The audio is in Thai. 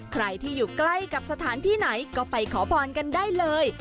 ใครที่อยู่ใกล้กับสถานที่ไหนก็ไปขอพรกันได้เลย